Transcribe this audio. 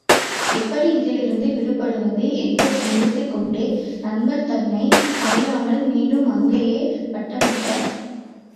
எப்படி இதிலிருந்து விடுபடுவது? என்று சிந்தித்துக் கொண்டே நண்பர் தன்னை அறியாமல் மீண்டும் அங்கேயே வட்டமிட்டார்.